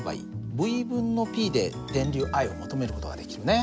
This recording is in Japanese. Ｖ分のＰで電流Ｉを求める事ができるね。